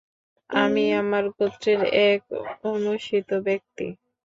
আমি আমার গোত্রের এক অনুসৃত ব্যক্তি।